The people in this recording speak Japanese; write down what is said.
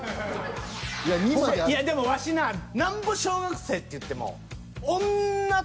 いやでもワシななんぼ小学生っていっても。